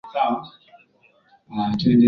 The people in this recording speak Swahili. Lakini bado kukataliwa kushushwa moyo.